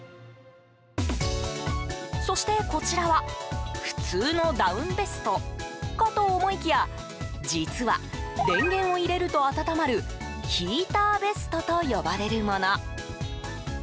そして、こちらは普通のダウンベストかと思いきや実は、電源を入れると温まるヒーターベストと呼ばれるもの。